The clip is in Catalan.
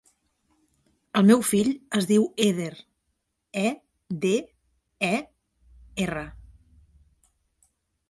El meu fill es diu Eder: e, de, e, erra.